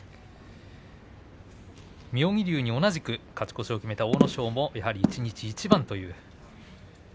妙義龍に同じく勝ち越しを決めた阿武咲もやはり一日一番と。